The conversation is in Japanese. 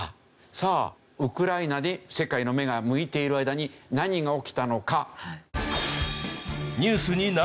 さあウクライナに世界の目が向いている間に何が起きたのか。